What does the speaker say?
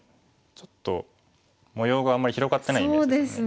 ちょっと模様があんまり広がってないイメージですよね。